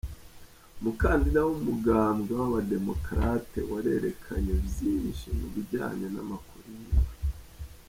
Umukandida w’umugambwe w’aba Democrate warerekanye vyinshi mu bijanye n’amakori yiwe.